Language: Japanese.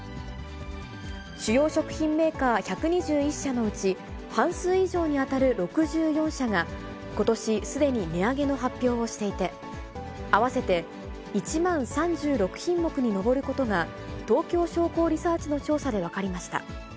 主要食品メーカー１２１社のうち、半数以上に当たる６４社が、ことし、すでに値上げの発表をしていて、合わせて１万３６品目に上ることが東京商工リサーチの調査で分かりました。